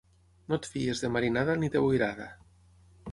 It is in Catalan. No et fiïs de marinada ni de boirada.